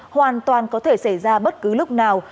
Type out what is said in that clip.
hoàn toàn có thể xảy ra bất cứ lúc nào